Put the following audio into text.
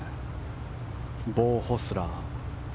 ボウ・ホスラー。